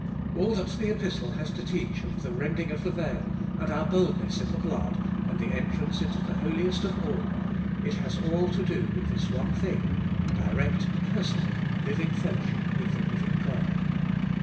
All that the Epistle has to teach of the rending of the veil, and our boldness in the blood, and the entrance into the Holiest of All — it has all to do with this one thing, direct personal living fellowship with the living God.